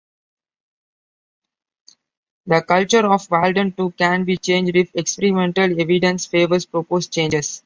The culture of Walden Two can be changed if experimental evidence favors proposed changes.